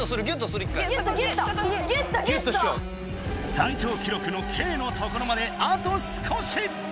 最長記録のケイのところまであと少し！